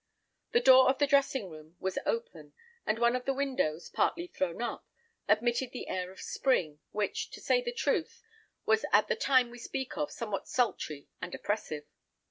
The door of the dressing room was open, and one of the windows, partly thrown up, admitted the air of spring, which, to say the truth, was at the time we speak of somewhat sultry and oppressive.